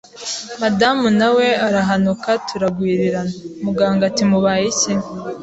madamu na we arahanuka turagwirirana, muganga ati mubaye iki?